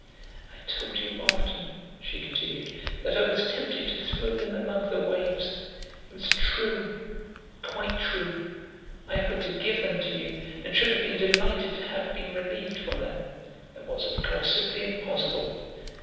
"I told you often," she continued, "that I was tempted to throw them among the waves. It was true; quite true. I offered to give them to you, and should have been delighted to have been relieved from them." "That was, of course, simply impossible."